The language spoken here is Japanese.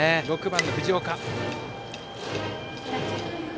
６番の藤岡。